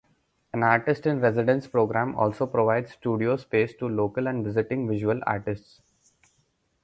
An Artist-In-Residence program also provides studio space to local and visiting visual artists.